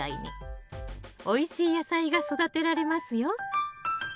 おいしい野菜が育てられますよ